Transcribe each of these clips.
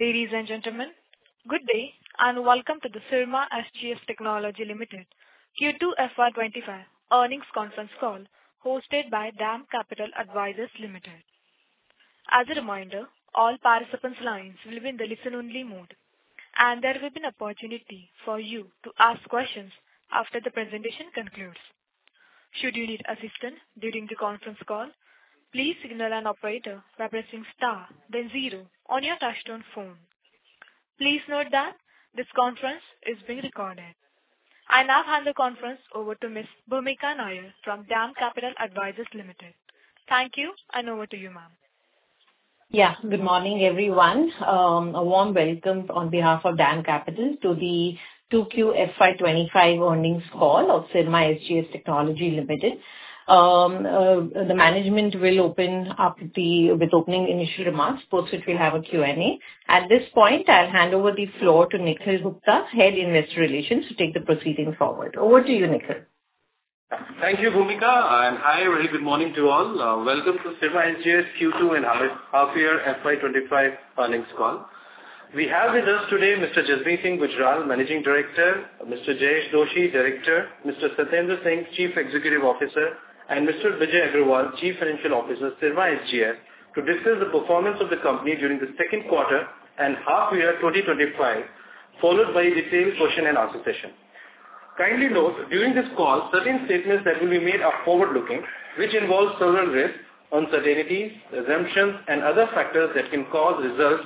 Ladies and gentlemen, good day, and welcome to the Syrma SGS Technology Limited Q2 FY25 earnings conference call, hosted by DAM Capital Advisors Limited. As a reminder, all participants' lines will be in the listen-only mode, and there will be an opportunity for you to ask questions after the presentation concludes. Should you need assistance during the conference call, please signal an operator by pressing star then zero on your touchtone phone. Please note that this conference is being recorded. I now hand the conference over to Ms. Bhumika Nair from DAM Capital Advisors Limited. Thank you, and over to you, ma'am. Yeah, good morning, everyone. A warm welcome on behalf of DAM Capital to the 2Q FY25 earnings call of Syrma SGS Technology Limited. The management will open up with opening initial remarks, post which we'll have a Q&A. At this point, I'll hand over the floor to Nikhil Gupta, head Investor Relations, to take the proceedings forward. Over to you, Nikhil. Thank you, Bhumika, and hi, a very good morning to all. Welcome to Syrma SGS Q2 and half year FY 2025 earnings call. We have with us today Mr. Jasmeet Singh Gujral, Managing Director, Mr. Jayesh Doshi, Director, Mr. Satendra Singh, Chief Executive Officer, and Mr. Bijay Agrawal, Chief Financial Officer, Syrma SGS, to discuss the performance of the company during the second quarter and half year 2025, followed by the same question and answer session. Kindly note, during this call, certain statements that will be made are forward-looking, which involve certain risks, uncertainties, assumptions, and other factors that can cause results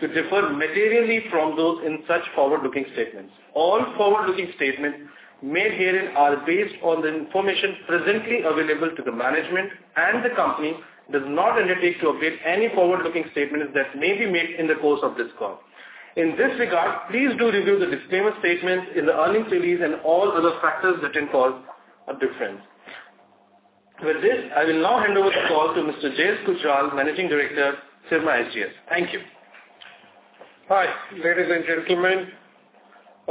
to differ materially from those in such forward-looking statements. All forward-looking statements made herein are based on the information presently available to the management, and the company does not undertake to update any forward-looking statements that may be made in the course of this call. In this regard, please do review the disclaimer statements in the earnings release and all other factors that can cause a difference. With this, I will now hand over the call to Mr. Jasmeet Gujral, Managing Director, Syrma SGS. Thank you. Hi, ladies and gentlemen.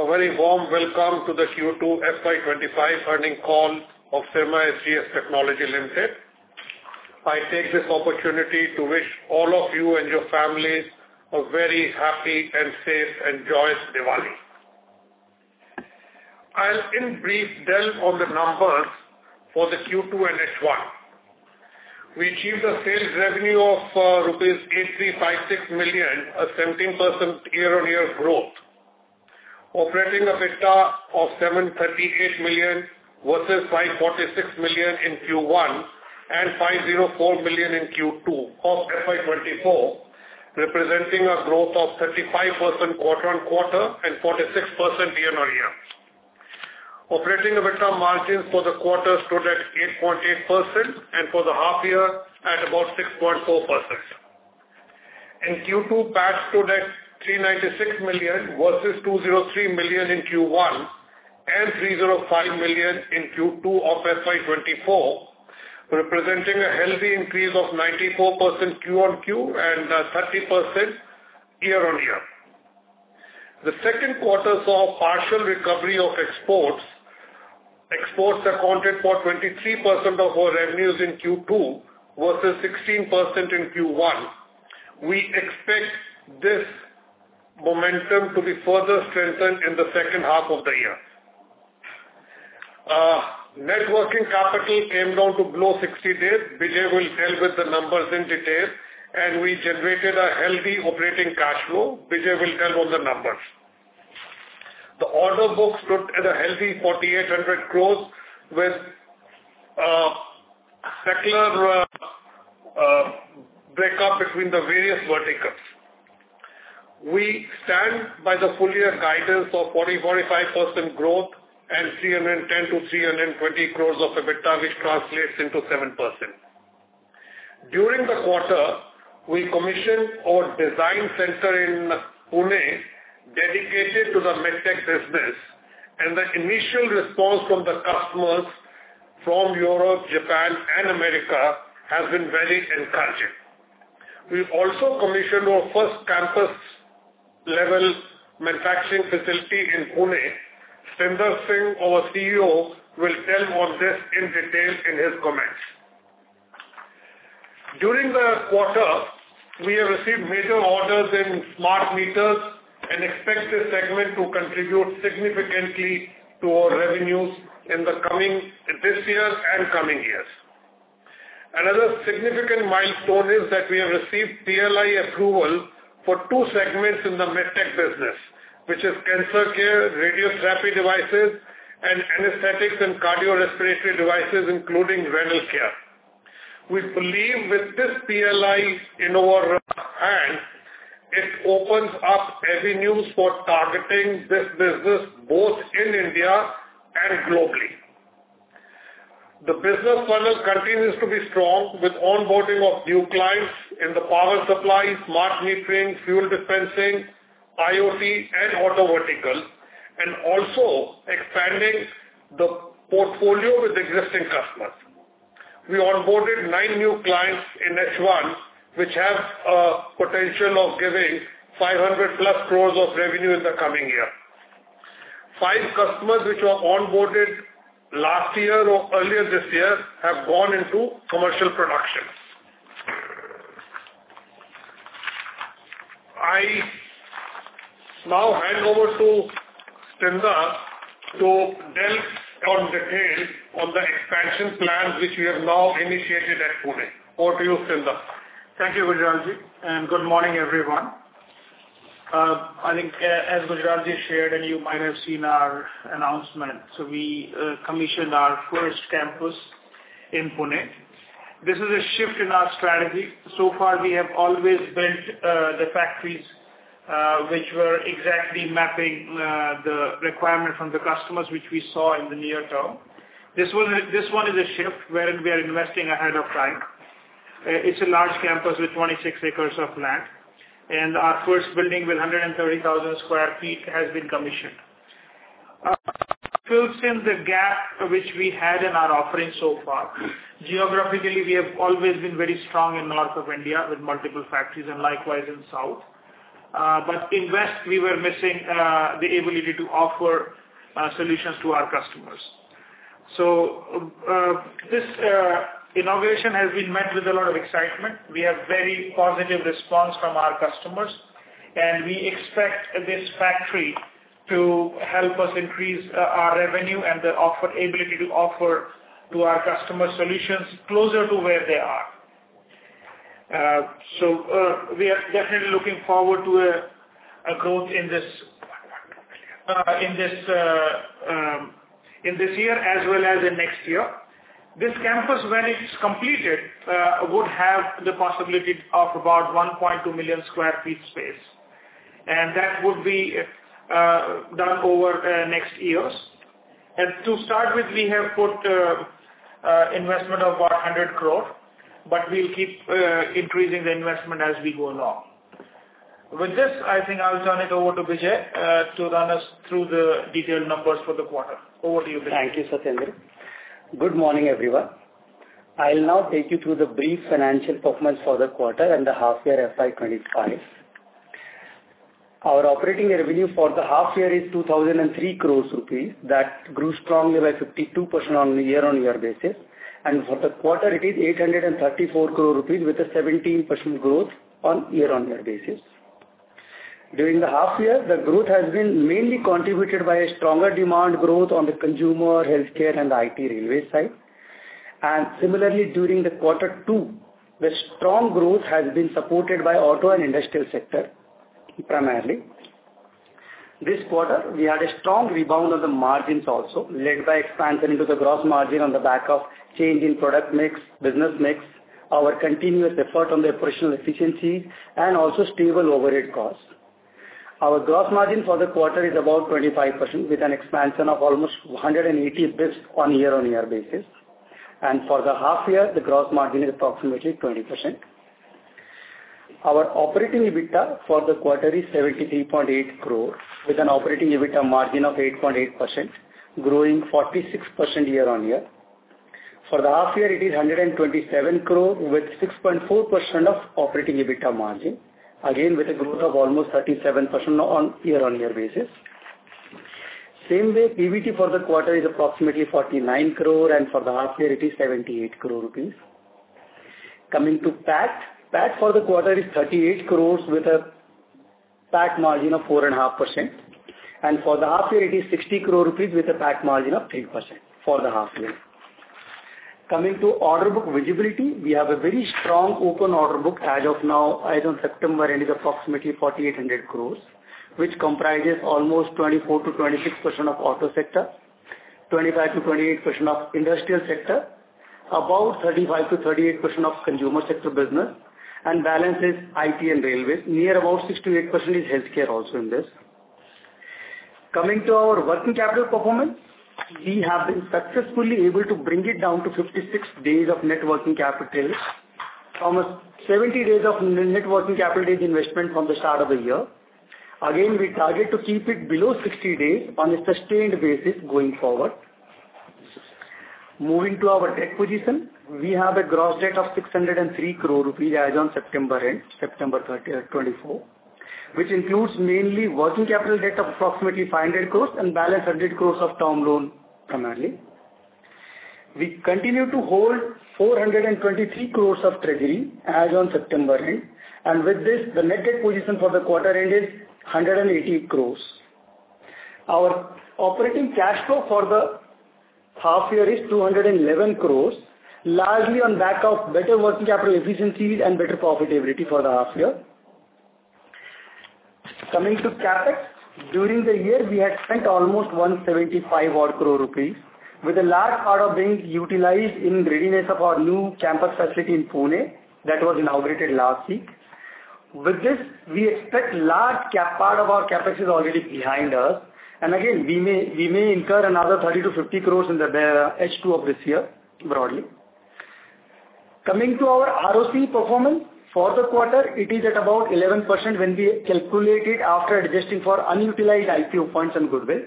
A very warm welcome to the Q2 FY 2025 earnings call of Syrma SGS Technology Limited. I take this opportunity to wish all of you and your families a very happy and safe and joyous Diwali. I'll in brief delve on the numbers for the Q2 and H1. We achieved a sales revenue of rupees 83.56 million, a 17% year-on-year growth. Operating EBITDA of 7.38 million versus 5.46 million in Q1 and 5.04 million in Q2 of FY 2024, representing a growth of 35% quarter on quarter and 46% year-on-year. Operating EBITDA margins for the quarter stood at 8.8% and for the half year at about 6.4%. In Q2, PAT stood at 396 million versus 203 million in Q1 and 305 million in Q2 of FY twenty-four, representing a healthy increase of 94% Q on Q and 30% year-on-year. The second quarter saw a partial recovery of exports. Exports accounted for 23% of our revenues in Q2 versus 16% in Q1. We expect this momentum to be further strengthened in the second half of the year. Net working capital came down to below 60 days. Bijay will tell with the numbers in detail, and we generated a healthy operating cash flow. Bijay will tell all the numbers. The order book stood at a healthy 4,800 crores with sectoral breakup between the various verticals. We stand by the full year guidance of 40.5% growth and 310-320 crores of EBITDA, which translates into 7%. During the quarter, we commissioned our design center in Pune, dedicated to the MedTech business, and the initial response from the customers from Europe, Japan, and America has been very encouraging. We've also commissioned our first campus-level manufacturing facility in Pune. Satendra Singh, our CEO, will tell more this in detail in his comments. During the quarter, we have received major orders in smart meters and expect this segment to contribute significantly to our revenues in the coming this year and coming years. Another significant milestone is that we have received PLI approval for two segments in the MedTech business, which is cancer care, radiotherapy devices, and anesthetics and cardiorespiratory devices, including renal care. We believe with this PLI in our hands, it opens up avenues for targeting this business both in India and globally. The business funnel continues to be strong, with onboarding of new clients in the power supply, smart metering, fuel dispensing, IoT, and auto vertical, and also expanding the portfolio with existing customers. We onboarded nine new clients in H1, which have a potential of giving 500+ crores of revenue in the coming year. Five customers which were onboarded last year or earlier this year have gone into commercial production. I now hand over to Satya to delve on detail on the expansion plans, which we have now initiated at Pune. Over to you, Satya. Thank you, Gujral, and good morning, everyone. I think, as Gujral shared, and you might have seen our announcement, so we commissioned our first campus in Pune. This is a shift in our strategy. So far, we have always built the factories which were exactly mapping the requirement from the customers, which we saw in the near term. This one is a shift, wherein we are investing ahead of time. It's a large campus with 26 acres of land, and our first building, with 130,000 sq ft, has been commissioned. It fills in the gap which we had in our offering so far. Geographically, we have always been very strong in north of India, with multiple factories and likewise in south. But in west, we were missing the ability to offer solutions to our customers. So, this innovation has been met with a lot of excitement. We have very positive response from our customers, and we expect this factory to help us increase our revenue and the offerability to offer to our customer solutions closer to where they are. So, we are definitely looking forward to a growth in this year as well as in next year. This campus, when it's completed, would have the possibility of about 1.2 million sq ft space, and that would be done over next years. And to start with, we have put investment of 100 crore, but we'll keep increasing the investment as we go along. With this, I think I'll turn it over to Bijay, to run us through the detailed numbers for the quarter. Over to you, Bijay. Thank you, Satya. Good morning, everyone. I'll now take you through the brief financial performance for the quarter and the half year FY 2025. Our operating revenue for the half year is 2,003 crores rupees. That grew strongly by 52% on a year-on-year basis, and for the quarter, it is 834 crore rupees, with a 17% growth on year-on-year basis. During the half year, the growth has been mainly contributed by a stronger demand growth on the consumer, healthcare, and IT railway side. And similarly, during the quarter 2, the strong growth has been supported by auto and industrial sector, primarily. This quarter, we had a strong rebound on the margins also, led by expansion into the gross margin on the back of change in product mix, business mix, our continuous effort on the operational efficiency and also stable overhead costs. Our gross margin for the quarter is about 25%, with an expansion of almost 180 basis points on year-on-year basis. For the half year, the gross margin is approximately 20%. Our operating EBITDA for the quarter is 73.8 crore, with an operating EBITDA margin of 8.8%, growing 46% year-on-year. For the half year, it is 127 crore, with 6.4% operating EBITDA margin, again, with a growth of almost 37% on year-on-year basis. Same way, PBT for the quarter is approximately 49 crore, and for the half year, it is 78 crore rupees. Coming to PAT, PAT for the quarter is 38 crores, with a PAT margin of 4.5%, and for the half year, it is 60 crore rupees with a PAT margin of 8% for the half year. Coming to order book visibility, we have a very strong open order book as of now, as of September end is approximately 4,800 crores, which comprises almost 24%-26% of auto sector, 25%-28% of industrial sector, about 35%-38% of consumer sector business, and balance is IT and railways. Near about 6%-8% is healthcare also in this. Coming to our working capital performance, we have been successfully able to bring it down to 56 days of net working capital, from a 70 days of net working capital days investment from the start of the year. Again, we target to keep it below 60 days on a sustained basis going forward. Moving to our debt position, we have a gross debt of 603 crore rupees as on September end, September 30, 2024. Which includes mainly working capital debt of approximately 500 crores and balance 100 crores of term loan, primarily. We continue to hold 423 crores of treasury as on September end, and with this, the net debt position for the quarter end is 180 crores. Our operating cash flow for the half year is 211 crores, largely on back of better working capital efficiencies and better profitability for the half year. Coming to CapEx, during the year, we had spent almost 175 odd crore rupees, with a large part of being utilized in readiness of our new campus facility in Pune, that was inaugurated last week. With this, we expect large part of our CapEx is already behind us, and again, we may, we may incur another 30 to 50 crores in the H2 of this year, broadly. Coming to our ROC performance, for the quarter, it is at about 11% when we calculate it after adjusting for unutilized IPO proceeds and goodwill.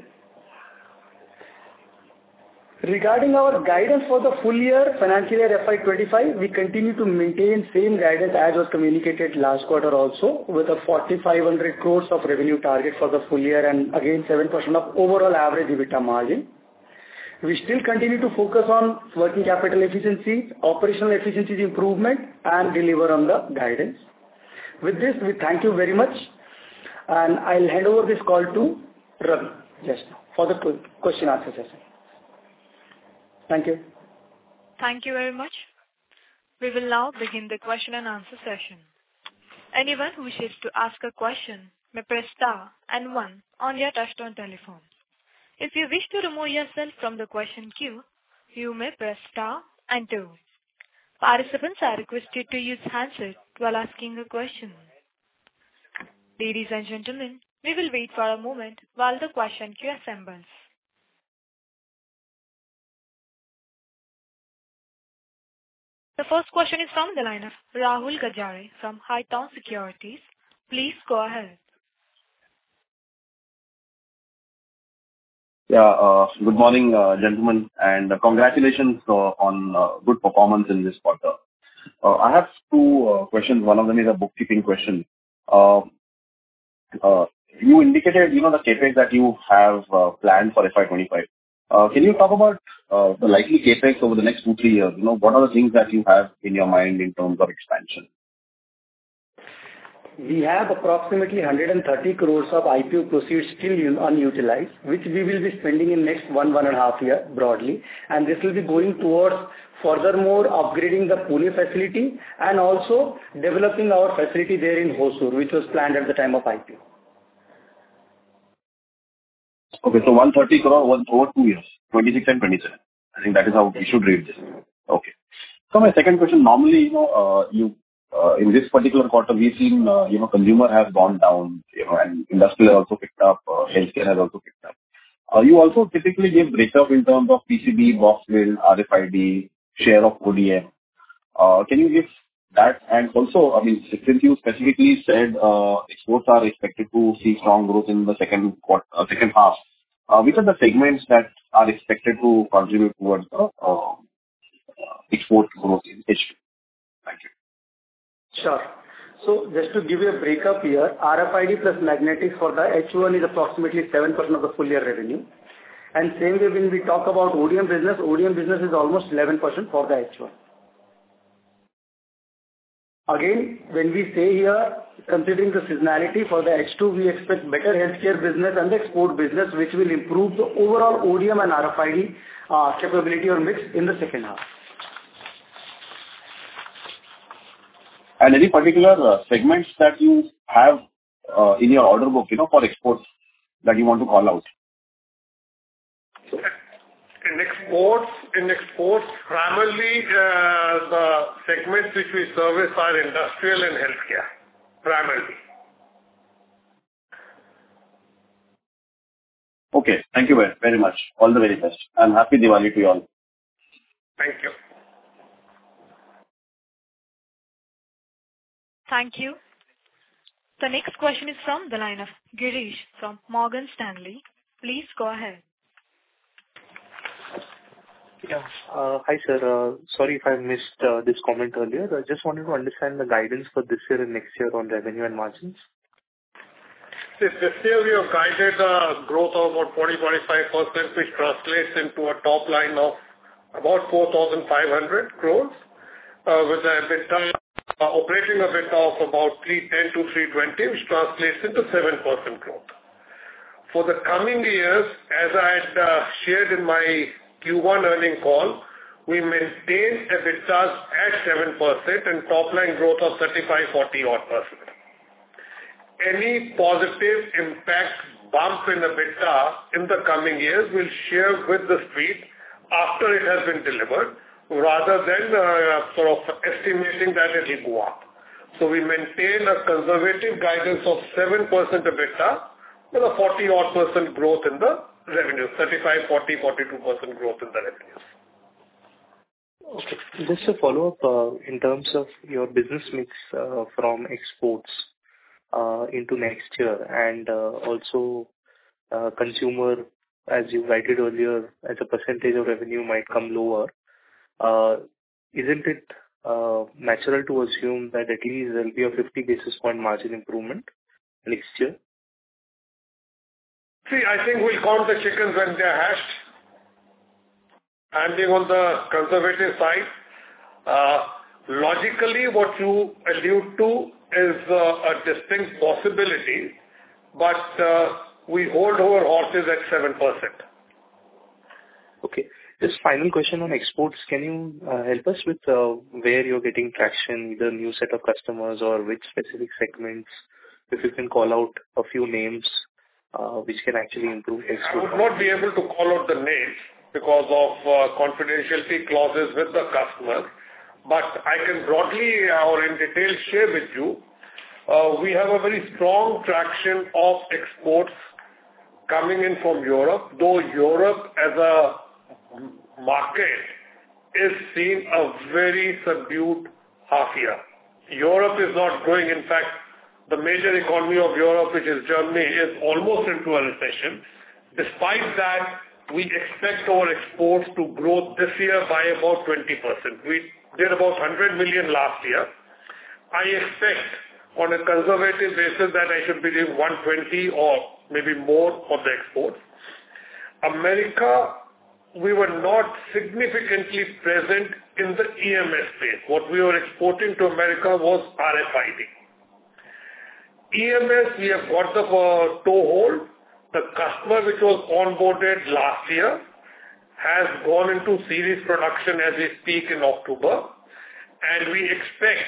Regarding our guidance for the full year, financial year FY 2025, we continue to maintain same guidance as was communicated last quarter also, with a 4,500 crores of revenue target for the full year, and again, 7% of overall average EBITDA margin. We still continue to focus on working capital efficiency, operational efficiency improvement, and deliver on the guidance. With this, we thank you very much, and I'll hand over this call to Ravi, just for the question answer session. Thank you. Thank you very much. We will now begin the question and answer session. Anyone who wishes to ask a question may press star and one on your touchtone telephone. If you wish to remove yourself from the question queue, you may press star and two. Participants are requested to use handset while asking a question. Ladies and gentlemen, we will wait for a moment while the question queue assembles. The first question is from the line of Rahul Gajare from Haitong Securities. Please go ahead. Yeah, good morning, gentlemen, and congratulations on good performance in this quarter. I have two questions. One of them is a bookkeeping question. You indicated, you know, the CapEx that you have planned for FY twenty-five. Can you talk about the likely CapEx over the next two, three years? You know, what are the things that you have in your mind in terms of expansion? We have approximately 130 crores of IPO proceeds still unutilized, which we will be spending in the next one and a half years, broadly. This will be going towards furthermore upgrading the Pune facility and also developing our facility there in Hosur, which was planned at the time of IPO. Okay, so 130 crore over two years, twenty-six and twenty-seven. I think that is how we should read this. Okay. My second question: normally, you know, you in this particular quarter, we've seen you know, consumer has gone down, you know, and industrial also picked up, healthcare has also picked up. You also typically gave breakup in terms of PCB, box build, RFID, share of ODM. Can you give that? And also, I mean, since you specifically said exports are expected to see strong growth in the second half, which are the segments that are expected to contribute towards the export growth in H2? Thank you. Sure. So just to give you a break up here, RFID plus magnetics for the H1 is approximately 7% of the full year revenue. And same way, when we talk about ODM business, ODM business is almost 11% for the H1. Again, when we say here, considering the seasonality for the H2, we expect better healthcare business and the export business, which will improve the overall ODM and RFID capability or mix in the second half. And any particular segments that you have in your order book, you know, for exports that you want to call out? In exports, primarily, the segments which we service are industrial and healthcare, primarily. Okay. Thank you very, very much. All the very best, and happy Diwali to you all. Thank you. Thank you. The next question is from the line of Girish from Morgan Stanley. Please go ahead. Yeah. Hi, sir. Sorry if I missed this comment earlier. I just wanted to understand the guidance for this year and next year on revenue and margins. This year, we have guided growth of about 40-45%, which translates into a top line of about 4,500 crores, with a mid-term operating EBITDA of about 310-320, which translates into 7% growth. For the coming years, as I had shared in my Q1 earning call, we maintain EBITDA at 7% and top line growth of 35, 40 odd percent. Any positive impact bump in the EBITDA in the coming years, we'll share with the street after it has been delivered, rather than sort of estimating that it will go up. So we maintain a conservative guidance of 7% EBITDA with a 40 odd percent growth in the revenue, 35, 40, 42 percent growth in the revenues. Okay. Just a follow-up, in terms of your business mix, from exports, into next year, and also, consumer, as you guided earlier, as a percentage of revenue, might come lower. Isn't it natural to assume that at least there'll be a fifty basis point margin improvement next year? See, I think we'll count the chickens when they are hatched. I'm being on the conservative side. Logically, what you allude to is a distinct possibility, but we hold our horses at 7%. Okay. Just final question on exports. Can you help us with where you're getting traction, the new set of customers or which specific segments, if you can call out a few names, which can actually improve H2? I would not be able to call out the names because of confidentiality clauses with the customer, but I can broadly or in detail share with you, we have a very strong traction of exports coming in from Europe, though Europe as a market is seeing a very subdued half year. Europe is not growing. In fact, the major economy of Europe, which is Germany, is almost into a recession. Despite that, we expect our exports to grow this year by about 20%. We did about $100 million last year. I expect, on a conservative basis, that I should be doing $120 or maybe more on the exports. America, we were not significantly present in the EMS space. What we were exporting to America was RFID. EMS, we have got the toehold. The customer which was onboarded last year has gone into serious production as they peak in October, and we expect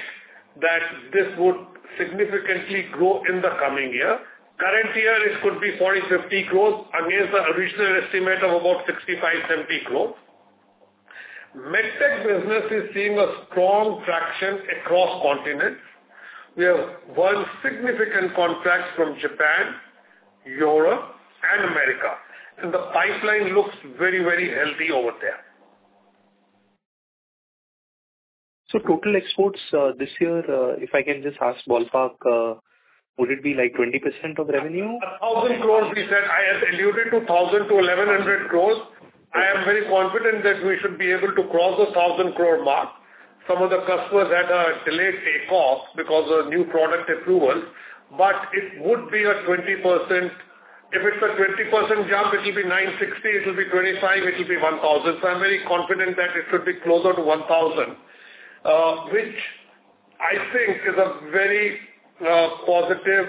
that this would significantly grow in the coming year. Current year, it could be forty, fifty growth against the original estimate of about sixty-five, seventy growth. MedTech business is seeing a strong traction across continents. We have won significant contracts from Japan, Europe, and America, and the pipeline looks very, very healthy over there. So total exports, this year, if I can just ask ballpark, would it be like 20% of revenue? 1,000 crores, we said. I had alluded to 1,000-1,100 crores. I am very confident that we should be able to cross the 1,000 crore mark. Some of the customers had a delayed takeoff because of new product approval, but it would be a 20%. If it's a 20% jump, it will be 960, it will be 1,025, it will be 1,000. So I'm very confident that it should be closer to 1,000, which I think is a very positive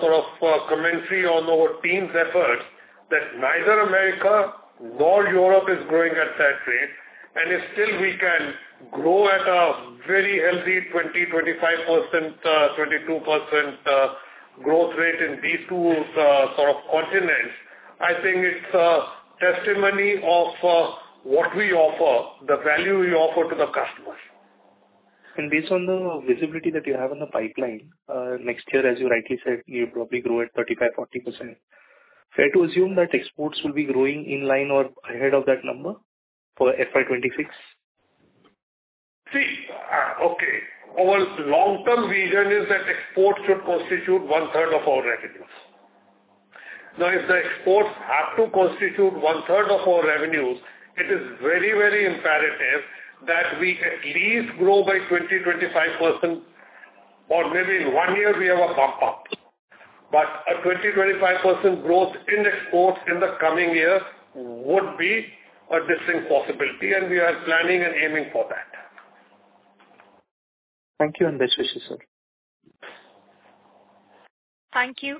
sort of commentary on our team's efforts, that neither America nor Europe is growing at that rate, and if still we can grow at a very healthy 20-25%, 22% growth rate in these two sort of continents. I think it's a testimony of what we offer, the value we offer to the customers. Based on the visibility that you have in the pipeline, next year, as you rightly said, you'll probably grow at 35%-40%. Fair to assume that exports will be growing in line or ahead of that number for FY 2026? See, okay. Our long-term vision is that exports should constitute one-third of our revenues. Now, if the exports have to constitute one-third of our revenues, it is very, very imperative that we at least grow by 20-25%, or maybe in one year we have a bump up. But a 20-25% growth in exports in the coming years would be a distinct possibility, and we are planning and aiming for that. Thank you, and best wishes, sir. Thank you.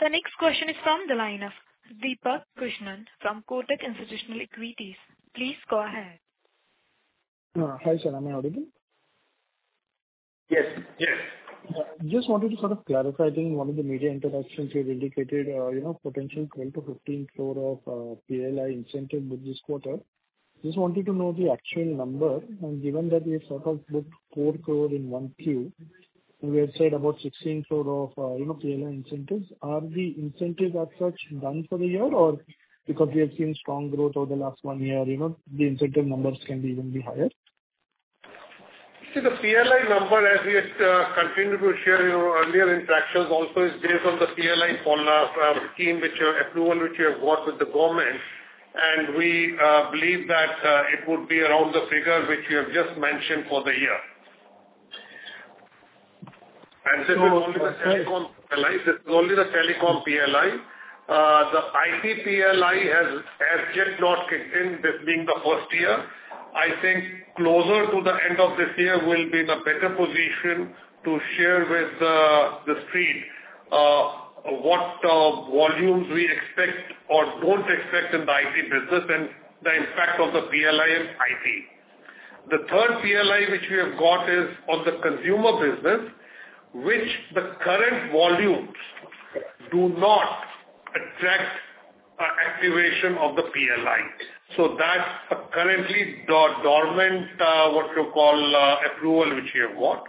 The next question is from the line of Deepak Krishnan from Kotak Institutional Equities. Please go ahead. Hi, sir. Am I audible? Yes. Yes. Just wanted to sort of clarify, I think in one of the media interactions you had indicated, you know, potential 12-15 crore of PLI incentive with this quarter. Just wanted to know the actual number, and given that we have sort of booked 4 crore in 1Q, and we had said about 16 crore of, you know, PLI incentives, are the incentives as such done for the year? Or because we have seen strong growth over the last one year, you know, the incentive numbers can be even be higher. See, the PLI number, as we have continued to share in our earlier interactions, also is based on the PLI policy scheme, which approval, which you have got with the government, and we believe that it would be around the figure which you have just mentioned for the year. And this is only the telecom PLI. The IT PLI has yet not kicked in, this being the first year. I think closer to the end of this year, we'll be in a better position to share with the street what volumes we expect or don't expect in the IT business and the impact of the PLI in IT. The third PLI, which we have got, is on the consumer business, which the current volumes do not attract activation of the PLI. That's currently dormant, what you call approval, which you have got.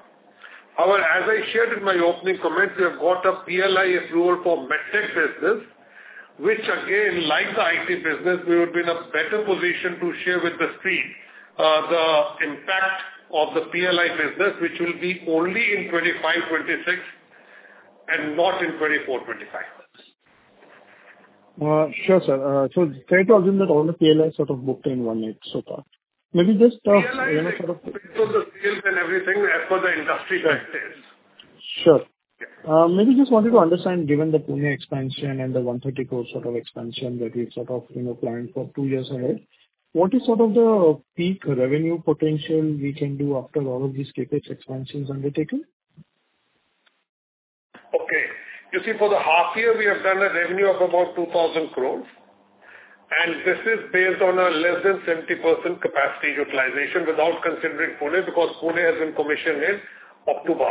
However, as I shared in my opening comments, we have got a PLI approval for MedTech business, which again, like the IT business, we would be in a better position to share with the street, the impact of the PLI business, which will be only in 2025, 2026, and not in 2024, 2025. Sure, sir. So fair to assume that all the PLIs are sort of booked in one year so far. Maybe just, sort of- PLI and everything as per the industry practice. Sure. Maybe just wanted to understand, given the Pune expansion and the 130 crore sort of expansion that you've sort of, you know, planned for two years ahead, what is sort of the peak revenue potential we can do after all of these CapEx expansions undertaking? Okay. You see, for the half year, we have done a revenue of about 2,000 crores, and this is based on less than 70% capacity utilization without considering Pune, because Pune has been commissioned in October.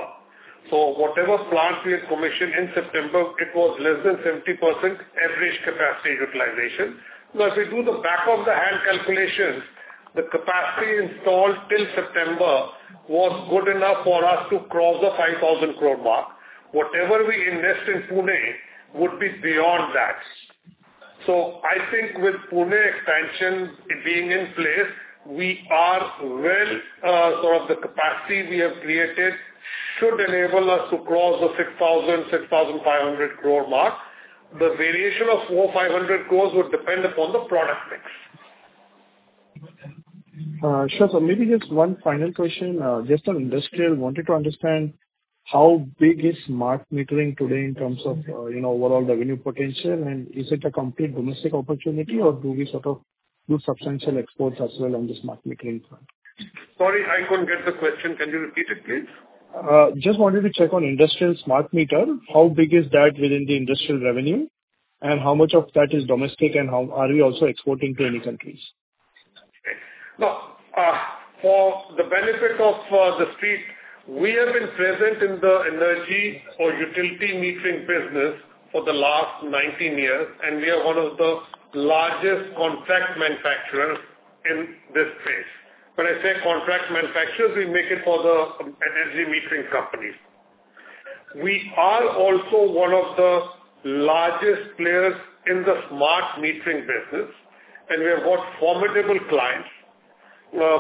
So whatever plants we had commissioned in September, it was less than 70% average capacity utilization. Now, if we do the back of the hand calculations, the capacity installed till September was good enough for us to cross the 5,000 crore mark. Whatever we invest in Pune would be beyond that. So I think with Pune expansion being in place, we are well, sort of the capacity we have created should enable us to cross the 6,000-6,500 crore mark. The variation of 400-500 crores would depend upon the product mix. Sure, sir. Maybe just one final question. Just on industrial, wanted to understand how big is smart metering today in terms of, you know, overall revenue potential, and is it a complete domestic opportunity, or do we sort of do substantial exports as well on the smart metering front? Sorry, I couldn't get the question. Can you repeat it, please? Just wanted to check on industrial smart meter. How big is that within the industrial revenue, and how much of that is domestic, and how are we also exporting to any countries? Great. Now, for the benefit of the street, we have been present in the energy or utility metering business for the last 19 years, and we are one of the largest contract manufacturers in this space. When I say contract manufacturers, we make it for the energy metering companies. We are also one of the largest players in the smart metering business, and we have got formidable clients.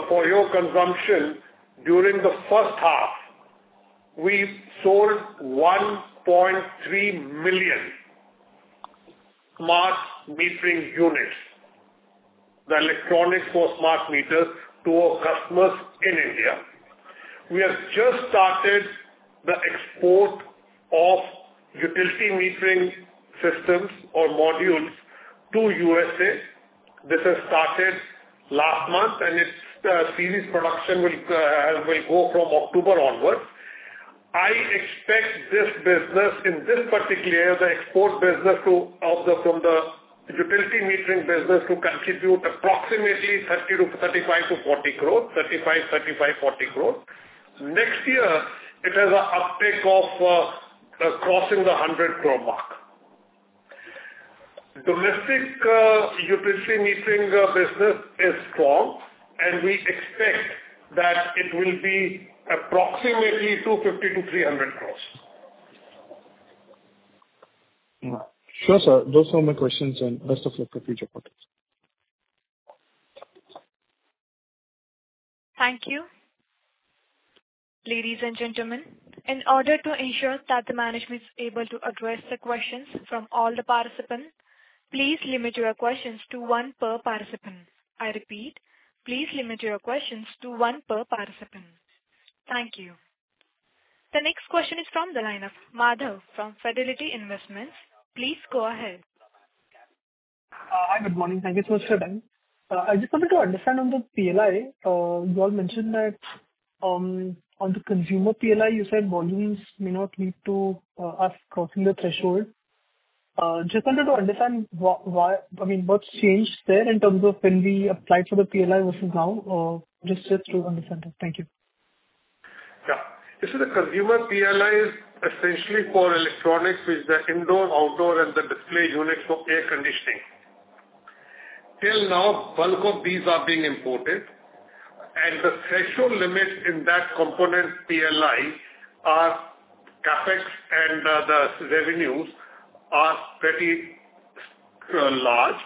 For your consumption, during the first half, we sold 1.3 million smart metering units, the electronics for smart meters, to our customers in India. We have just started the export of utility metering systems or modules to USA. This has started last month, and its series production will go from October onwards. I expect this business in this particular year, the export business from the utility metering business to contribute approximately 35-40 crore. Next year, it has a uptake of crossing the 100 crore mark. Domestic utility metering business is strong, and we expect that it will be approximately 250-300 crores. Sure, sir. Those are my questions, and best of luck for future quarters. Thank you. Ladies and gentlemen, in order to ensure that the management is able to address the questions from all the participants, please limit your questions to one per participant. I repeat, please limit your questions to one per participant. Thank you. The next question is from the line of Madhav from Fidelity Investments. Please go ahead. Hi, good morning. Thank you so much for your time. I just wanted to understand on the PLI, you all mentioned that, on the consumer PLI, you said volumes may not lead to us crossing the threshold. Just wanted to understand why, I mean, what's changed there in terms of when we applied for the PLI versus now, just to understand that. Thank you. Yeah. You see, the consumer PLI is essentially for electronics, which is the indoor, outdoor, and the display units for air conditioning. Till now, bulk of these are being imported, and the threshold limit in that component PLI, our CapEx and, the revenues are pretty, large.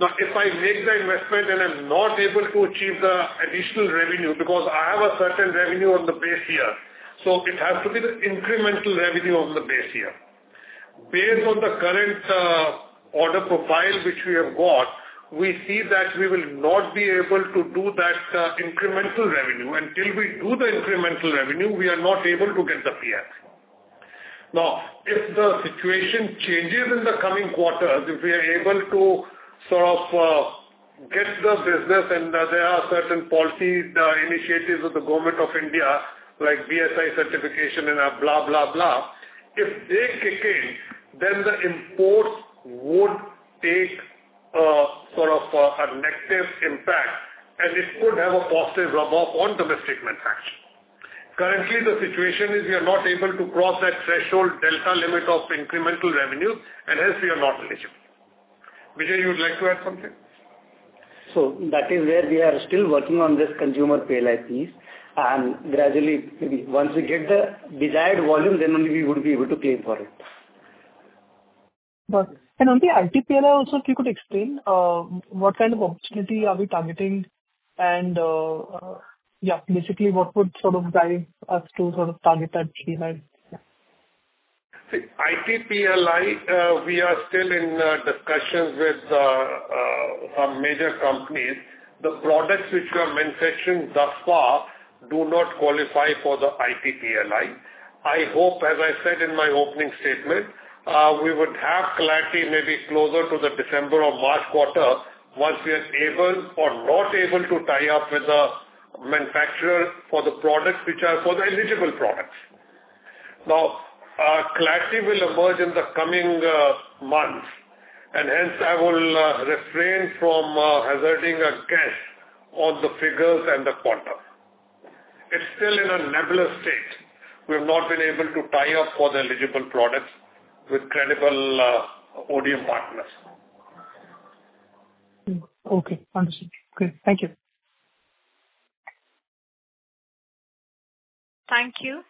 Now, if I make the investment and I'm not able to achieve the additional revenue, because I have a certain revenue on the base year, so it has to be the incremental revenue on the base year. Based on the current, order profile which we have got, we see that we will not be able to do that, incremental revenue. Until we do the incremental revenue, we are not able to get the PLI. Now, if the situation changes in the coming quarters, if we are able to sort of, get the business, and there are certain policy, initiatives of the government of India, like BSI certification and blah, blah, blah. If they kick in, then the imports would take, sort of a negative impact, and it could have a positive rub-off on domestic manufacturing. Currently, the situation is we are not able to cross that threshold delta limit of incremental revenue, and hence we are not eligible. Bijay, you would like to add something? So that is where we are still working on this consumer PLI piece, and gradually, maybe once we get the desired volume, then only we would be able to claim for it. But, and on the IT PLI also, if you could explain what kind of opportunity are we targeting and, yeah, basically, what would sort of drive us to sort of target that PLI? Yeah. See, IT PLI, we are still in discussions with some major companies. The products which we are manufacturing thus far do not qualify for the IT PLI. I hope, as I said in my opening statement, we would have clarity maybe closer to the December or March quarter, once we are able or not able to tie up with the manufacturer for the products which are for the eligible products. Now, clarity will emerge in the coming months, and hence I will refrain from hazarding a guess on the figures and the quarter. It's still in a nebulous state. We have not been able to tie up for the eligible products with credible ODM partners. Okay, understood. Great, thank you. ... Thank you.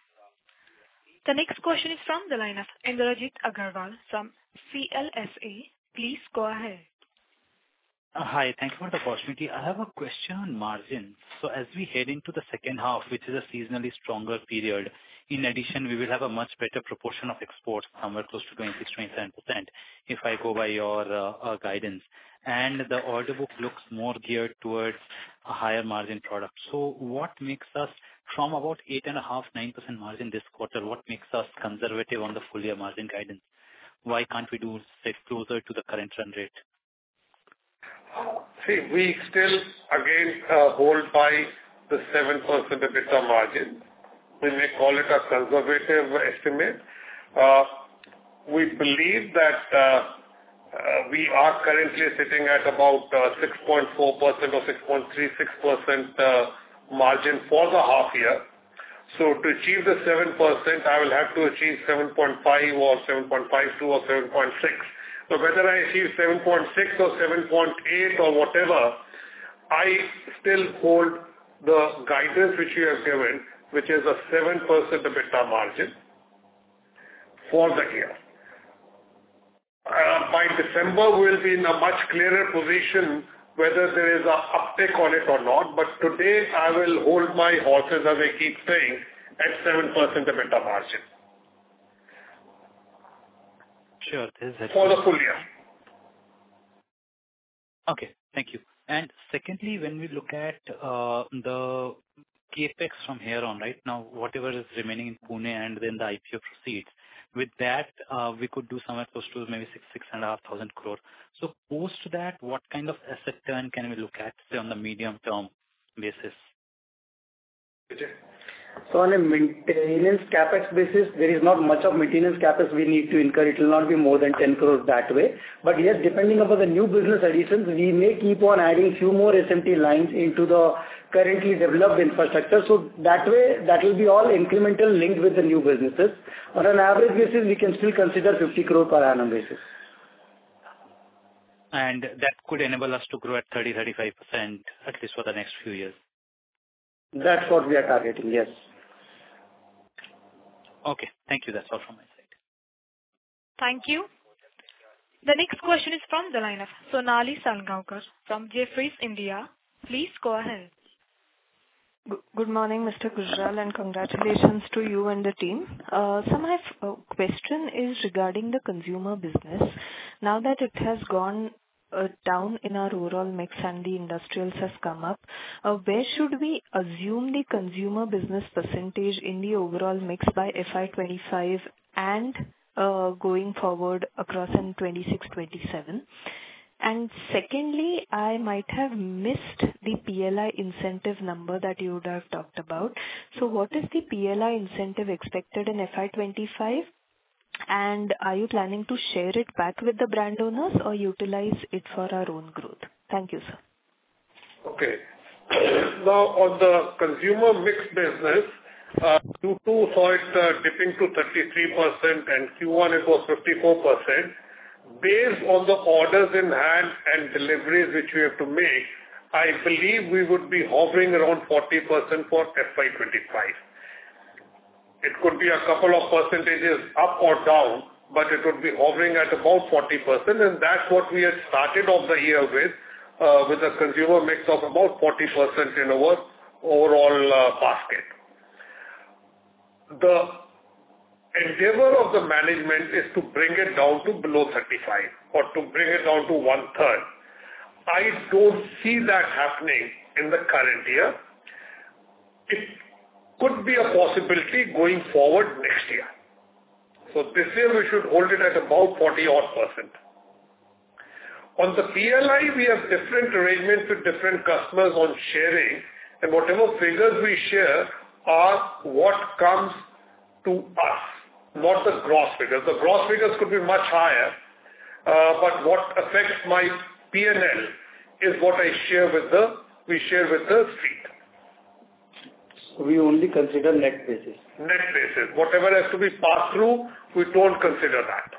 The next question is from the line of Indrajit Agarwal from CLSA. Please go ahead. Hi. Thank you for the opportunity. I have a question on margin. So as we head into the second half, which is a seasonally stronger period, in addition, we will have a much better proportion of exports, somewhere close to 26-27%, if I go by your guidance. And the order book looks more geared towards a higher margin product. So what makes us from about 8.5-9% margin this quarter, what makes us conservative on the full year margin guidance? Why can't we do, say, closer to the current trend rate? See, we still, again, hold by the 7% EBITDA margin. We may call it a conservative estimate. We believe that, we are currently sitting at about, 6.4% or 6.36%, margin for the half year. So to achieve the 7%, I will have to achieve 7.5% or 7.52% or 7.6%. So whether I achieve 7.6% or 7.8% or whatever, I still hold the guidance which you have given, which is a 7% EBITDA margin for the year. By December, we'll be in a much clearer position whether there is a uptick on it or not. But today, I will hold my horses, as I keep saying, at 7% EBITDA margin. Sure. For the full year. Okay, thank you, and secondly, when we look at the CapEx from here on, right now, whatever is remaining in Pune and then the IPO proceeds, with that, we could do somewhere close to maybe 6,000 crore-6,500 crore, so post that, what kind of asset turnover can we look at from the medium-term basis? Vijay? So on a maintenance CapEx basis, there is not much of maintenance CapEx we need to incur. It will not be more than 10 crore that way. But yes, depending upon the new business additions, we may keep on adding a few more SMT lines into the currently developed infrastructure. So that way, that will be all incremental linked with the new businesses. On an average basis, we can still consider 50 crore per annum basis. That could enable us to grow at 30%-35%, at least for the next few years? That's what we are targeting, yes. Okay, thank you. That's all from my side. Thank you. The next question is from the line of Sonali Salgaonkar from Jefferies India. Please go ahead. Good morning, Mr. Gujral, and congratulations to you and the team. So my question is regarding the consumer business. Now that it has gone down in our overall mix and the industrials has come up, where should we assume the consumer business percentage in the overall mix by FY 2025 and going forward across in 2026, 2027? And secondly, I might have missed the PLI incentive number that you would have talked about. So what is the PLI incentive expected in FY 2025, and are you planning to share it back with the brand owners or utilize it for our own growth? Thank you, sir. Okay. Now, on the consumer mix business, Q2 saw it dipping to 33%, and Q1 it was 54%. Based on the orders in hand and deliveries which we have to make, I believe we would be hovering around 40% for FY25. It could be a couple of percentages up or down, but it would be hovering at about 40%, and that's what we had started off the year with, with a consumer mix of about 40% in our overall basket. The endeavor of the management is to bring it down to below 35% or to bring it down to one-third. I don't see that happening in the current year. It could be a possibility going forward next year, so this year, we should hold it at about 40-odd%. On the PLI, we have different arrangements with different customers on sharing, and whatever figures we share are what comes to us, not the gross figures. The gross figures could be much higher, but what affects my PNL is what I share with the... We share with the street. We only consider net basis. Net basis. Whatever has to be passed through, we don't consider that.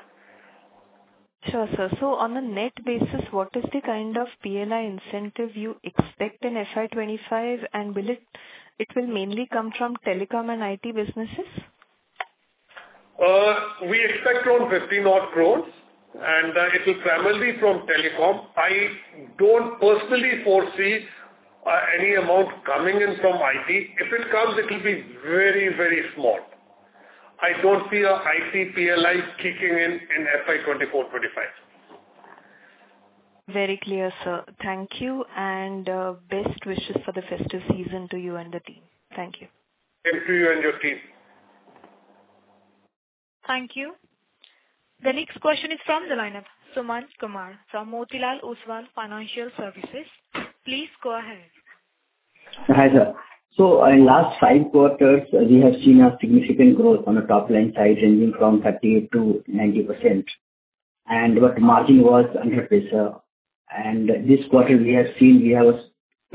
Sure, sir. So on a net basis, what is the kind of PLI incentive you expect in FY twenty-five, and will it mainly come from telecom and IT businesses? We expect around 50 odd crores, and it will primarily be from telecom. I don't personally foresee any amount coming in from IT. If it comes, it will be very, very small. I don't see an IT PLI kicking in in FY 2024-2025. Very clear, sir. Thank you, and best wishes for the festive season to you and the team. Thank you. Same to you and your team. Thank you. The next question is from the line of Suman Kumar from Motilal Oswal Financial Services. Please go ahead. Hi, sir. So in last five quarters, we have seen a significant growth on the top line side, ranging from 30% to 90%, and but margin was under pressure. And this quarter we have seen a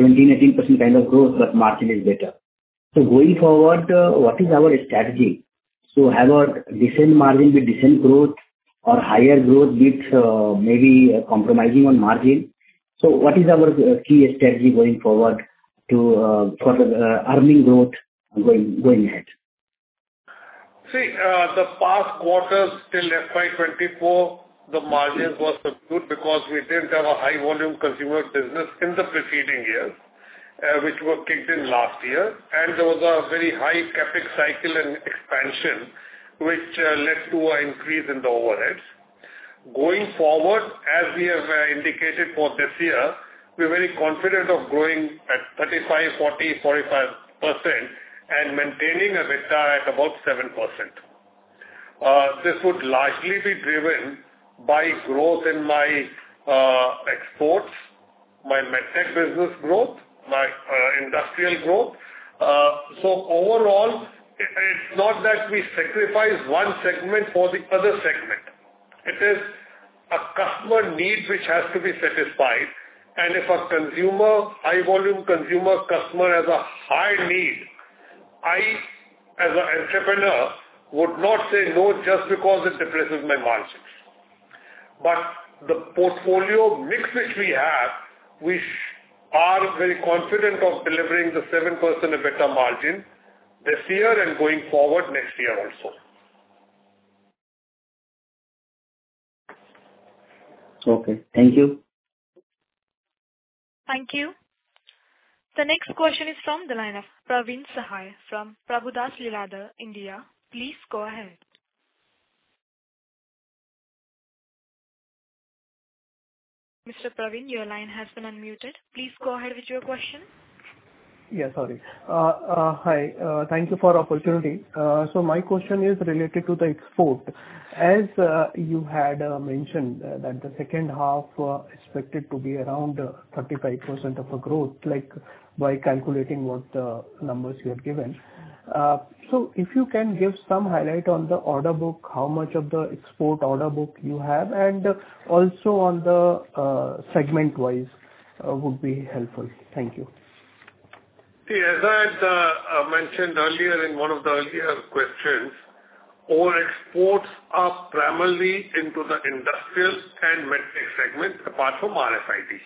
17%-18% kind of growth, but margin is better. So going forward, what is our strategy? so have a decent margin with decent growth or higher growth with, maybe compromising on margin. So what is our key strategy going forward to for the earning growth going ahead? See, the past quarters till FY 2024, the margins was subdued because we didn't have a high volume consumer business in the preceding years, which were kicked in last year, and there was a very high CapEx cycle and expansion, which led to an increase in the overheads. Going forward, as we have indicated for this year, we're very confident of growing at 35%-45% and maintaining EBITDA at about 7%. This would largely be driven by growth in my exports, my MedTech business growth, my industrial growth, so overall, it, it's not that we sacrifice one segment for the other segment. It is a customer need which has to be satisfied, and if a consumer, high volume consumer customer has a high need, I, as an entrepreneur, would not say no just because it depresses my margins. But the portfolio mix which we have, we are very confident of delivering the 7% EBITDA margin this year and going forward next year also. Okay. Thank you. Thank you. The next question is from the line of Pravin Sahay from Prabhudas Lilladher, India. Please go ahead. Mr. Pravin, your line has been unmuted. Please go ahead with your question. Yeah, sorry. Hi, thank you for the opportunity. So my question is related to the export. As you had mentioned that the second half expected to be around 35% of the growth, like, by calculating what numbers you have given. So if you can give some highlight on the order book, how much of the export order book you have, and also on the segment-wise would be helpful. Thank you. See, as I mentioned earlier in one of the earlier questions, our exports are primarily into the industrial and med tech segment, apart from RFID.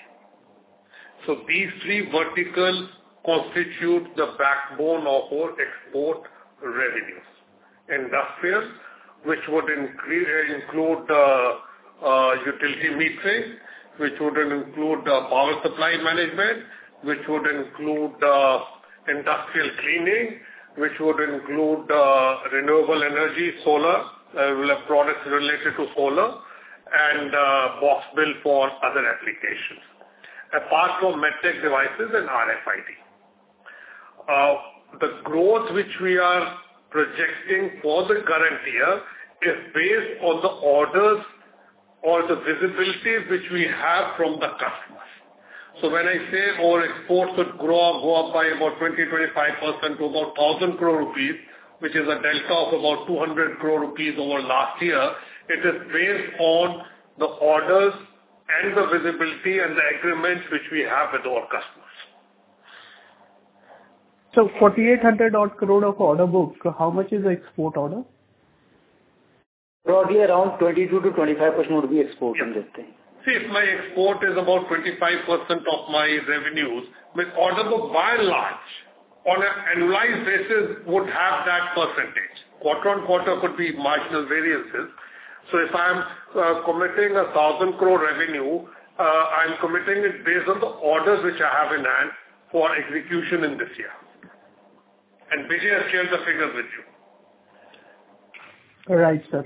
So these three verticals constitute the backbone of our export revenues. Industrial, which would include utility metering, which would include power supply management, which would include industrial cleaning, which would include renewable energy, solar, we'll have products related to solar and box build for other applications, apart from med tech devices and RFID. The growth which we are projecting for the current year is based on the orders or the visibility which we have from the customers. So when I say our exports could grow or go up by about 20-25% to about 1,000 crore rupees, which is a delta of about 200 crore rupees over last year, it is based on the orders and the visibility and the agreements which we have with our customers. So 4,800-odd crore of order book, so how much is the export order? Broadly, around 22%-25% will be export in this thing. See, if my export is about 25% of my revenues, my order book, by and large, on an annualized basis, would have that percentage. Quarter on quarter could be marginal variances. So if I'm committing a thousand crore revenue, I'm committing it based on the orders which I have in hand for execution in this year. And Bijay has shared the figures with you. Right, sir.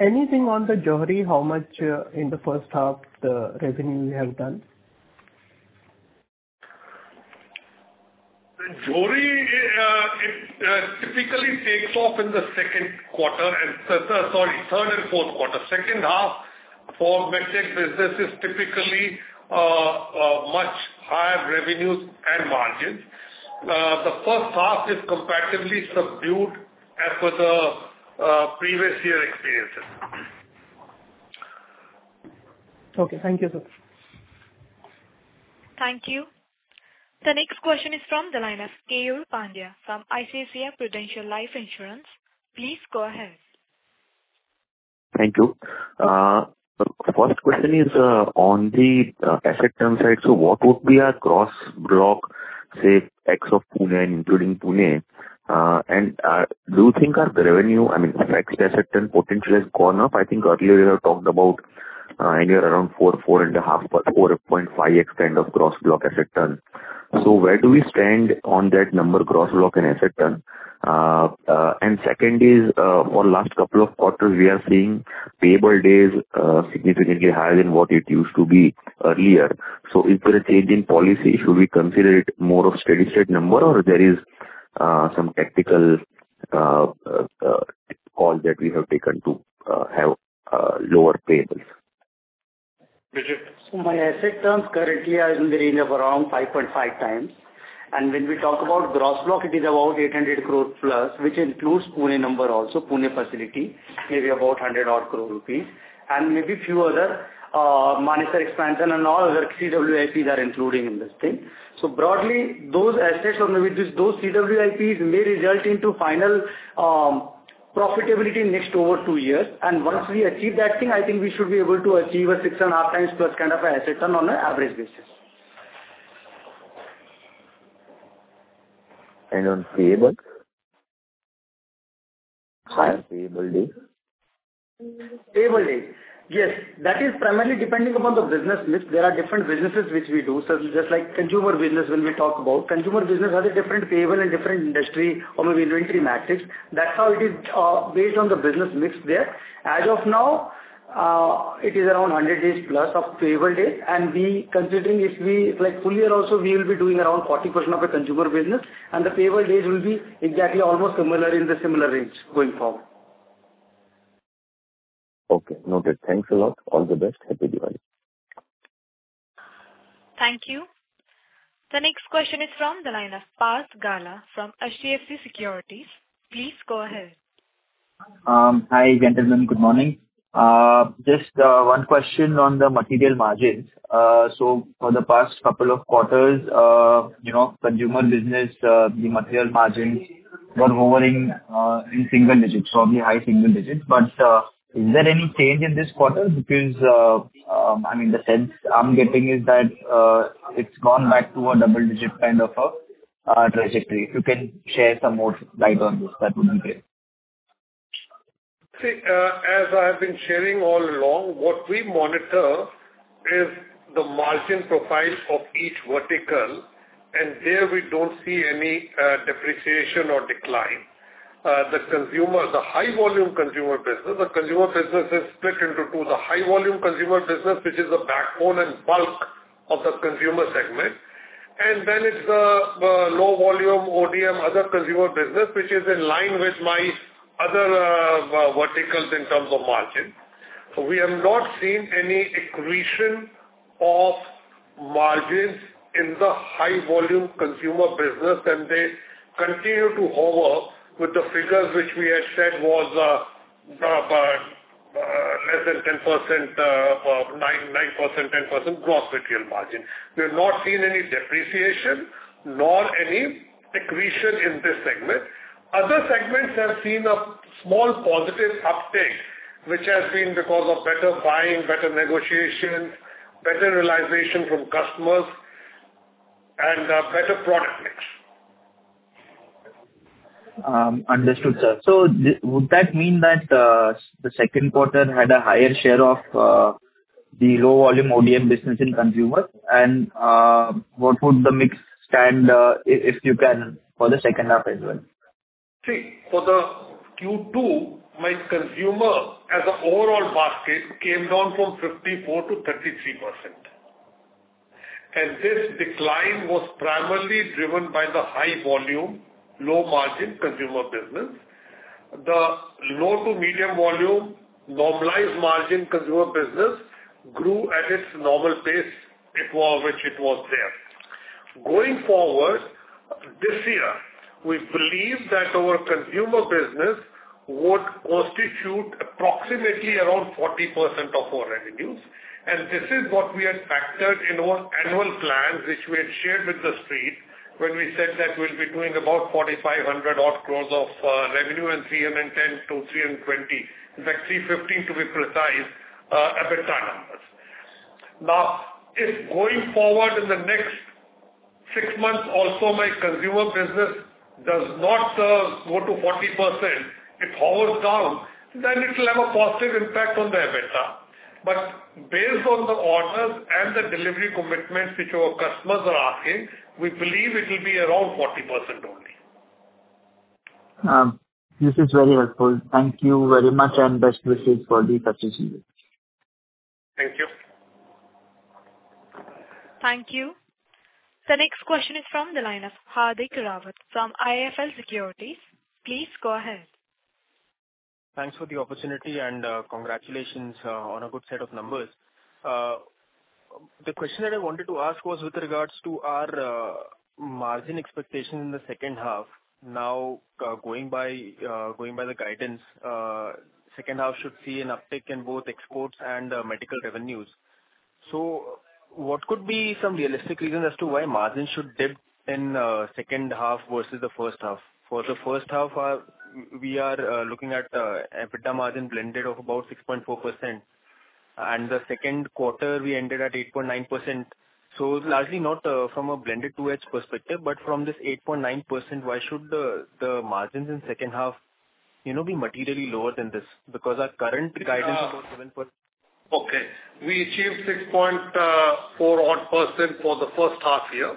Anything on the Johari, how much, in the first half, the revenue you have done? The Johari typically takes off in the second quarter and third and fourth quarter. Second half for MedTech business is typically much higher revenues and margins. The first half is comparatively subdued as per the previous year experiences. Okay. Thank you, sir. Thank you. The next question is from the line of Keyur Pandya from ICICI Prudential Life Insurance. Please go ahead. Thank you. The first question is on the asset turnover side. So what would be our Gross Block, say, ex of Pune, including Pune? And do you think our revenue, I mean, ex asset turnover potential has gone up? I think earlier you have talked about anywhere around four, four and a half, four point five X kind of Gross Block asset turnover. So where do we stand on that number, Gross Block and asset turnover? And second is for last couple of quarters, we are seeing payable days significantly higher than what it used to be earlier. So is there a change in policy? Should we consider it more of steady-state number, or there is some tactical call that we have taken to have lower payables? Vijay? So my asset turns currently are in the range of around 5.5 times, and when we talk about gross block, it is about 800 crore plus, which includes Pune number also, Pune facility, maybe about 100-odd crore rupees, and maybe a few other, Manesar expansion and all other CWIPs are including in this thing. So broadly, those assets or maybe just those CWIPs may result into final profitability next over two years, and once we achieve that thing, I think we should be able to achieve a 6.5 times plus kind of asset turn on an average basis. On payable? Current payable day. Payable day. Yes, that is primarily depending upon the business mix. There are different businesses which we do. So just like consumer business, when we talk about consumer business, has a different payable and different industry or maybe inventory metrics. That's how it is, based on the business mix there. As of now, it is around 100 days plus of payable day, and we considering if we like full year also, we will be doing around 40% of the consumer business, and the payable days will be exactly almost similar in the similar range going forward. Okay, noted. Thanks a lot. All the best. Happy Diwali! Thank you. The next question is from the line of Parth Galiya from HDFC Securities. Please go ahead. Hi, gentlemen. Good morning. Just one question on the material margins. So for the past couple of quarters, you know, consumer business, the material margins were hovering in single digits, probably high single digits, but is there any change in this quarter? Because I mean, the sense I'm getting is that it's gone back to a double digit kind of a trajectory. If you can shed some light on this, that would be great. See, as I've been sharing all along, what we monitor is the margin profile of each vertical, and there we don't see any depreciation or decline. The consumer, the high volume consumer business, the consumer business is split into two, the high volume consumer business, which is the backbone and bulk of the consumer segment, and then it's the low volume ODM other consumer business, which is in line with my other verticals in terms of margin. We have not seen any accretion of margins in the high volume consumer business, and they continue to hover with the figures which we had said was about less than 10%, or 9%-10% gross material margin. We have not seen any depreciation nor any accretion in this segment. Other segments have seen a small positive uptick, which has been because of better buying, better negotiations, better realization from customers and better product mix. Understood, sir. So would that mean that the second quarter had a higher share of the low volume ODM business in consumer? And what would the mix stand, if you can, for the second half as well? See, for the Q2, my consumer as an overall basket came down from 54% to 33%, and this decline was primarily driven by the high volume, low margin consumer business. The low to medium volume, normalized margin consumer business grew at its normal pace, at which it was there. Going forward, this year, we believe that our consumer business would constitute approximately around 40% of our revenues, and this is what we had factored in our annual plans, which we had shared with the street, when we said that we'll be doing about 4,500 odd crores of revenue and 310 to 320, in fact, 315, to be precise, EBITDA numbers. Now, if going forward in the next six months also my consumer business does not go to 40%, it hovers down, then it'll have a positive impact on the EBITDA. But based on the orders and the delivery commitments which our customers are asking, we believe it will be around 40% only. This is very helpful. Thank you very much, and best wishes for the succession. Thank you. Thank you. The next question is from the line of Hardik Rawat from IIFL Securities. Please go ahead. Thanks for the opportunity, and, congratulations on a good set of numbers. The question that I wanted to ask was with regards to our margin expectation in the second half. Now, going by the guidance, second half should see an uptick in both exports and medical revenues. So what could be some realistic reason as to why margins should dip in second half versus the first half? For the first half, we are looking at EBITDA margin blended of about 6.4%, and the second quarter, we ended at 8.9%. So largely not from a blended 2H perspective, but from this 8.9%, why should the margins in second half, you know, be materially lower than this? Because our current guidance about 7%- Okay, we achieved 6.4 odd% for the first half year.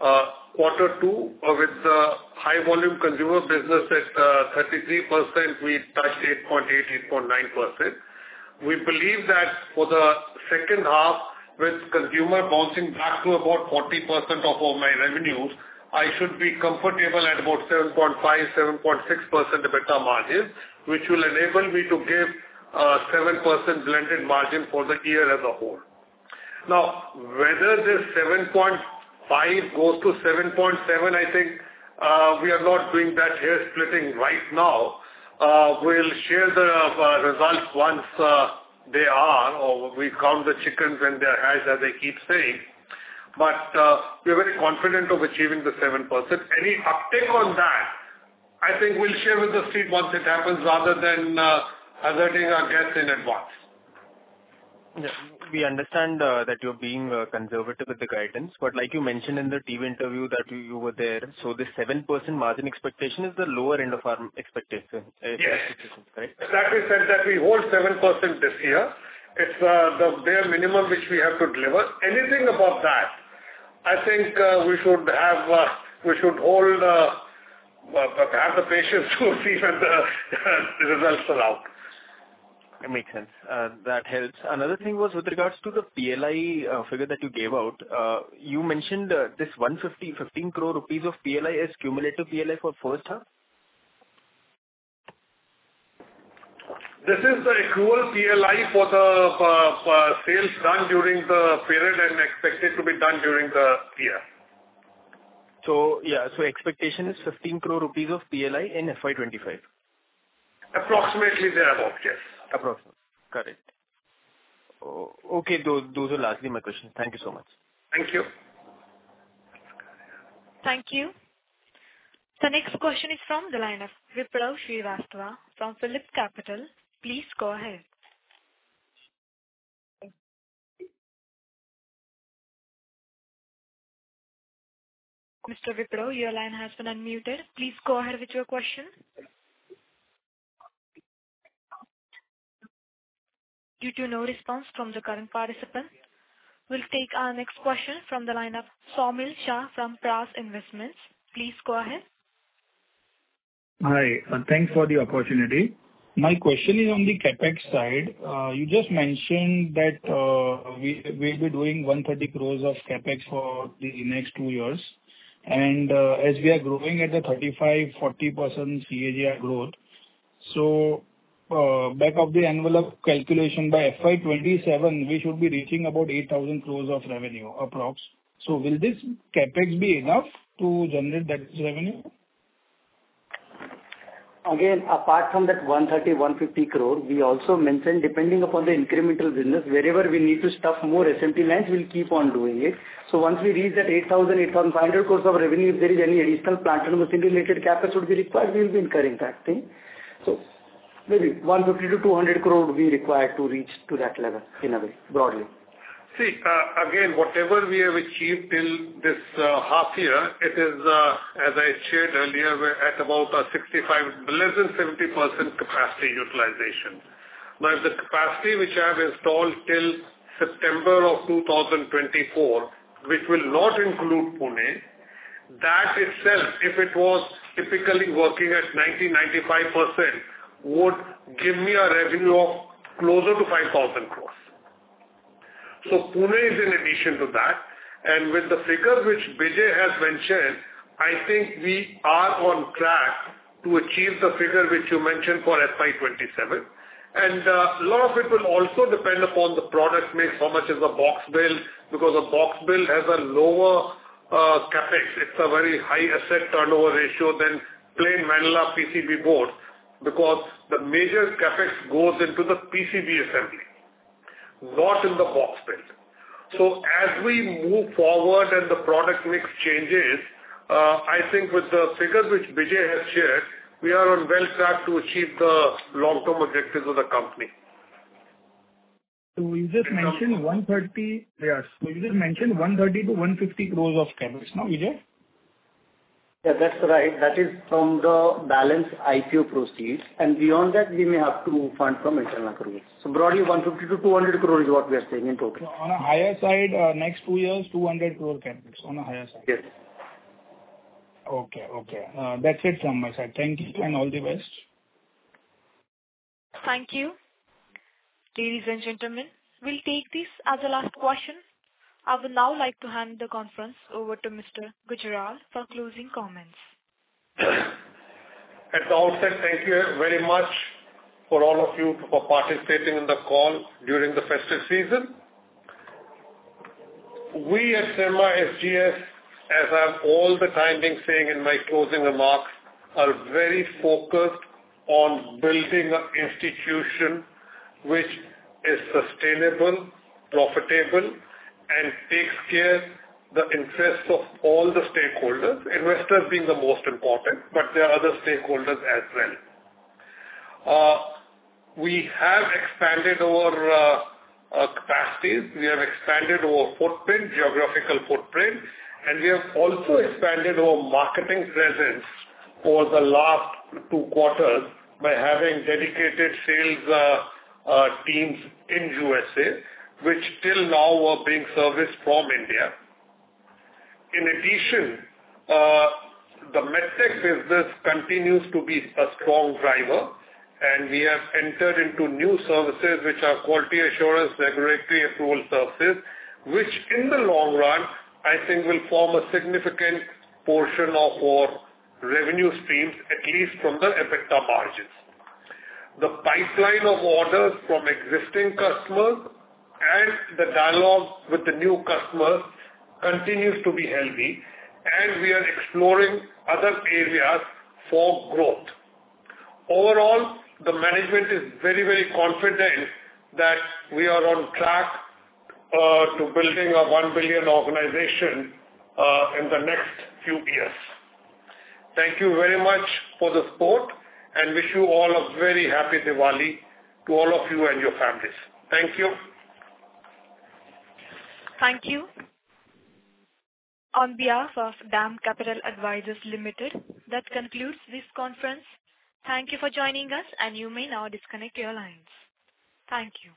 Quarter two, with the high volume consumer business at 33%, we touched 8.8-8.9%. We believe that for the second half, with consumer bouncing back to about 40% of all my revenues, I should be comfortable at about 7.5-7.6% EBITDA margins, which will enable me to give 7% blended margin for the year as a whole. Now, whether this 7.5 goes to 7.7, I think we are not doing that hair splitting right now. We'll share the results once we count the chickens when they are hatched, as they keep saying, but we're very confident of achieving the 7%. Any uptick on that, I think we'll share with the street once it happens, rather than alerting our guests in advance. Yeah, we understand that you're being conservative with the guidance, but like you mentioned in the team interview that you were there, so this 7% margin expectation is the lower end of our expectation. Yes. Correct? Exactly, said that we hold 7% this year. It's the bare minimum which we have to deliver. Anything above that, I think, we should have the patience to see when the results are out. It makes sense. That helps. Another thing was with regards to the PLI figure that you gave out. You mentioned this 150, 15 crore rupees of PLI is cumulative PLI for first half? This is the accrual PLI for the sales done during the period and expected to be done during the year. Expectation is 15 crore rupees of PLI in FY 2025? Approximately thereabout, yes. Approximately. Got it. Okay, those are lastly my questions. Thank you so much. Thank you. Thank you. The next question is from the line of Vipral Shrivastava from PhillipCapital. Please go ahead. Mr. Vipral, your line has been unmuted. Please go ahead with your question. Due to no response from the current participant, we'll take our next question from the line of Soumil Shah from Paras Investments. Please go ahead. Hi, thanks for the opportunity. My question is on the CapEx side. You just mentioned that, we, we'll be doing 130 crores of CapEx for the next two years. And, as we are growing at the 35%-40% CAGR growth, so, back of the envelope calculation, by FY 2027, we should be reaching about 8,000 crores of revenue, approx. So will this CapEx be enough to generate that revenue? Again, apart from that 130-150 crore, we also mentioned, depending upon the incremental business, wherever we need to stuff more SMT lines, we'll keep on doing it. So once we reach that 8,000-8,500 crores of revenue, if there is any additional plant and assembly related CapEx would be required, we will be incurring that thing. So maybe 150-200 crore we require to reach to that level, in a way, broadly. See, again, whatever we have achieved in this half year, it is, as I shared earlier, we're at about 65%, less than 70% capacity utilization. Now, the capacity which I have installed till September of 2024, which will not include Pune, that itself, if it was typically working at 90%-95%, would give me a revenue of closer to 5,000 crores. So Pune is in addition to that, and with the figures which Bijay has mentioned, I think we are on track to achieve the figure which you mentioned for FY 2027. And, a lot of it will also depend upon the product mix, how much is the Box Build, because a Box Build has a lower CapEx. It's a very high asset turnover ratio than plain vanilla PCB board, because the major CapEx goes into the PCB assembly, not in the box build. So as we move forward and the product mix changes, I think with the figures which Bijay has shared, we are on well track to achieve the long-term objectives of the company. Yes, so you just mentioned 130-150 crores of CapEx, no, Bijay? Yeah, that's right. That is from the balance IPO proceeds, and beyond that, we may have to fund from internal accruals. So broadly, 150-200 crore is what we are saying in total. On a higher side, next two years, 200 crore CapEx, on a higher side? Yes. Okay, okay. That's it from my side. Thank you, and all the best. Thank you. Ladies and gentlemen, we'll take this as the last question. I would now like to hand the conference over to Mr. Gujral for closing comments. At the outset, thank you very much for all of you for participating in the call during the festive season. We at Syrma SGS, as I'm all the time being saying in my closing remarks, are very focused on building an institution which is sustainable, profitable, and takes care the interests of all the stakeholders, investors being the most important, but there are other stakeholders as well. We have expanded our capacities, we have expanded our footprint, geographical footprint, and we have also expanded our marketing presence over the last two quarters by having dedicated sales teams in USA, which till now were being serviced from India. In addition, the MedTech business continues to be a strong driver, and we have entered into new services which are quality assurance, regulatory approval services, which in the long run, I think will form a significant portion of our revenue streams, at least from the EBITDA margins. The pipeline of orders from existing customers and the dialogues with the new customers continues to be healthy, and we are exploring other areas for growth. Overall, the management is very, very confident that we are on track, to building a one billion organization, in the next few years. Thank you very much for the support and wish you all a very happy Diwali to all of you and your families. Thank you. Thank you. On behalf of DAM Capital Advisors Limited, that concludes this conference. Thank you for joining us, and you may now disconnect your lines. Thank you.